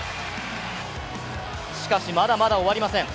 しかし、まだまだ終わりません。